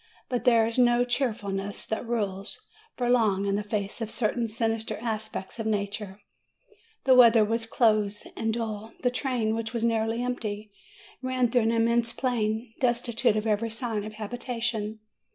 But there is no cheerfulness that rules FROM APENNINES TO THE ANDES 273 for long in the face of certain sinister aspects of nature. The weather was close and dull; the train, which was nearly empty, ran through an immense plain, destitute of every sign of habitation.